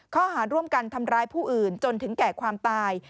ข้อหาร่วมกันทำร้ายผู้อื่นจนถึงแก่ความตาย